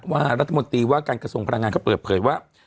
รัฐมนตรีว่าการกระทรวงพลังงานก็เปิดเผยว่า